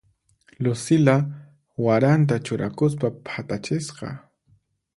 Lucila waranta churakuspa phatachisqa.